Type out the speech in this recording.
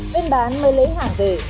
bên bán mới lấy hàng về